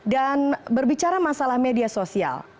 dan berbicara masalah media sosial